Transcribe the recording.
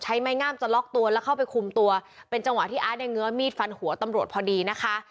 ไม้งามจะล็อกตัวแล้วเข้าไปคุมตัวเป็นจังหวะที่อาร์ตเนี่ยเงื้อมีดฟันหัวตำรวจพอดีนะคะ